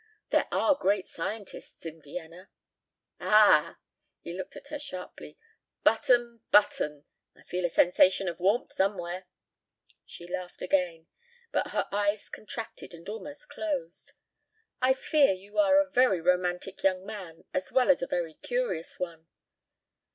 There are great scientists in Vienna." "Ah!" He looked at her sharply. "Button, button I feel a sensation of warmth somewhere." She laughed again, but her eyes contracted and almost closed. "I fear you are a very romantic young man as well as a very curious one."